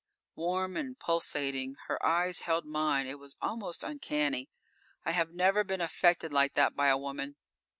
Warm and pulsating. Her eyes held mine; it was almost uncanny. I have never been affected like that by a woman.